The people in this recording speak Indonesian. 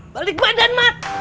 balik badan mat